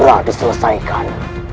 yang harus segera diselesaikan